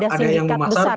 ada yang memasak